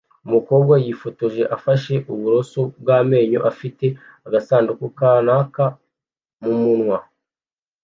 umukobwa yifotoje afashe uburoso bw'amenyo afite agasanduku kanaka mumunwa